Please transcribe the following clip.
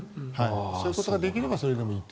そういうことができればそれでもいいと。